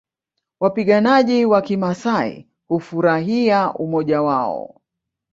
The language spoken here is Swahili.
Wapiganaji wa kimaasai hufurahia umoja wao